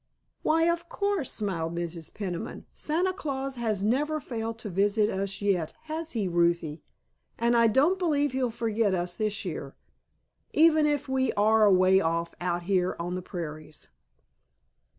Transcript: _" "Why, of course," smiled Mrs. Peniman. "Santa Claus has never failed to visit us yet, has he, Ruthie? And I don't believe he'll forget us this year, even if we are away off out here on the prairies."